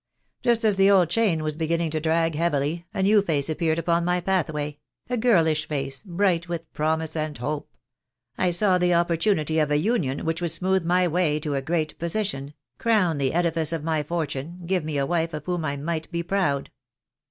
Just as the old chain was beginning to drag heavily, a new face appeared upon my pathway — a girlish face, bright with promise and hope. I saw the opportunity of a union which would smooth my way to a great posi tion— crown the edifice of my fortune, give me a wife of whom I might be proud.